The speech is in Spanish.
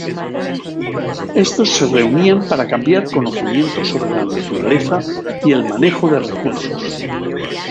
Estos se reunían para cambiar conocimiento sobre la naturaleza y el manejo de recursos.